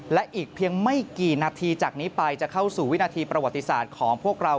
และอีกเพียงไม่กี่นาทีจากนี้ไปจะเข้าสู่วินาทีประวัติศาสตร์ของพวกเรา